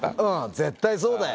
絶対そうだよ。